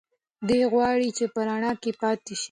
دی غواړي چې په رڼا کې پاتې شي.